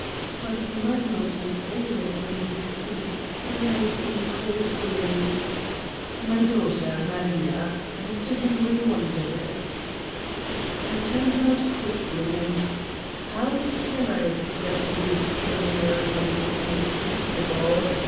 But Magnus was already on his feet, announc ing coldly: "My daughter, Maria. Mr. Henry Wonder good!" I turned about quickly and how can I express the extraordinary when it is inexpressible?